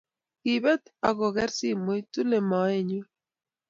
Kipet ako ker simoit tule moenyun.